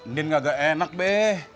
ndin nggak enak be